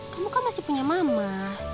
kamu kan masih punya mama